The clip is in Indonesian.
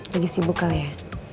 lagi sibuk kali ya